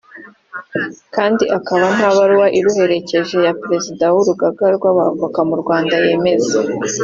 kandi akaba nta baruwa iruherekeje ya Perezida w’Urugaga rw’Abavoka mu Rwanda yemeza